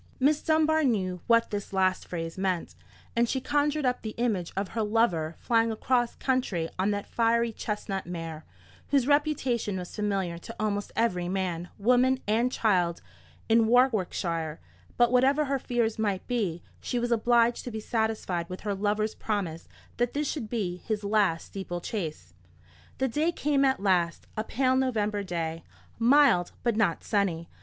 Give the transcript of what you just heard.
Miss Dunbar knew what this last phrase meant, and she conjured up the image of her lover flying across country on that fiery chestnut mare, whose reputation was familiar to almost every man, woman, and child in Warwickshire: but whatever her fears might be, she was obliged to be satisfied with her lover's promise that this should be his last steeple chase. The day came at last, a pale November day, mild but not sunny.